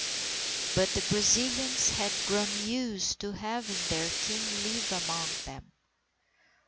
But the Brazilians had grown used to having their King live among them.